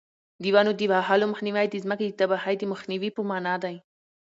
د ونو د وهلو مخنیوی د ځمکې د تباهۍ د مخنیوي په مانا دی.